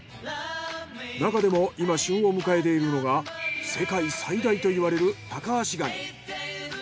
なかでも今旬を迎えているのが世界最大といわれるタカアシガニ。